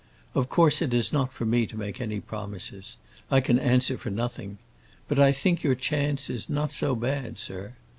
Of course it is not for me to make any promises. I can answer for nothing. But I think your chance is not so bad, sir.